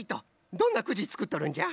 どんなくじつくっとるんじゃ？